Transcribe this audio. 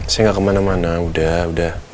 saya gak kemana mana udah udah